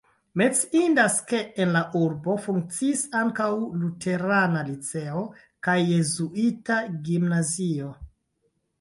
Menciindas, ke en la urbo funkciis ankaŭ luterana liceo kaj jezuita gimnazio.